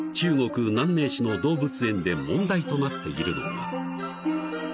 市の動物園で問題となっているのが］